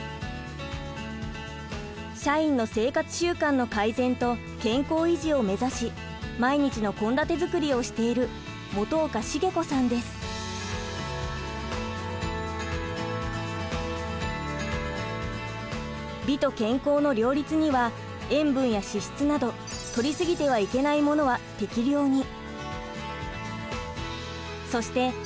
社員の生活習慣の改善と健康維持を目指し毎日の献立づくりをしている美と健康の両立には塩分や脂質などとり過ぎてはいけないものは適量に。